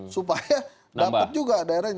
supaya dapet juga daerahnya